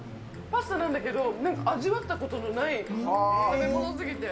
パスタなんだけど、味わったことのない、複雑すぎて。